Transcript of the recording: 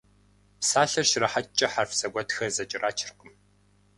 Псалъэр щрахьэкӀкӀэ хьэрф зэгуэтхэр зэкӀэрачыркъым.